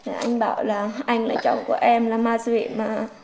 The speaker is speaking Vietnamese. anh bảo là anh là chồng của em là ma dị mà